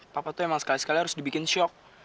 papa tuh emang sekali sekali harus dibikin shock